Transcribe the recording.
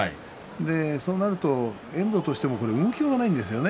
そうなると遠藤としては動きようがないんですよね。